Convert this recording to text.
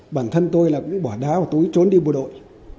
bản thân tôi là cũng bỏ đá và túi trốn đi bộ đội